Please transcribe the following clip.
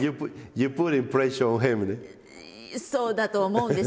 そうだと思うんです。